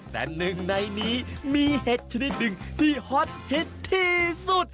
แต่หนึ่งในนี้มีเห็ดชนิดหนึ่งที่ฮอตฮิตที่สุด